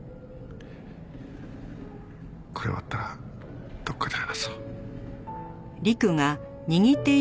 これ終わったらどこかで話そう。